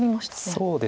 そうですね。